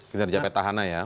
kinerja petahana ya